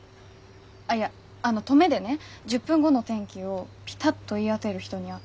あっいやあの登米でね１０分後の天気をピタッと言い当てる人に会ったの。